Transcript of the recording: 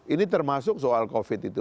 ini termasuk soal covid itu